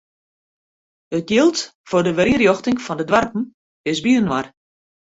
It jild foar de werynrjochting fan de doarpen is byinoar.